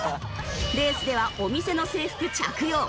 レースではお店の制服着用。